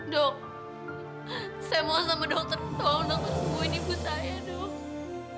dok saya mau sama dokter tolong sembuhin ibu saya dok